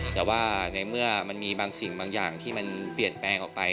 แต่ว่าในเมื่อมันมีบางสิ่งบางอย่างที่มันเปลี่ยนแปลงออกไป